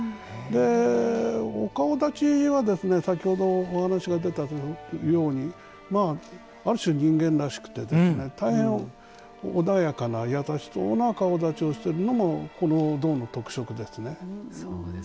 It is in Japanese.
お顔だちは先ほどお話が出たようにある種、人間らしくて大変穏やかな優しそうな顔だちをしているのもこの像の特色ですね。